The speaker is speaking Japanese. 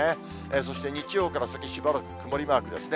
そして、日曜から先、しばらく曇りマークですね。